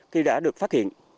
khi đã được phát hiện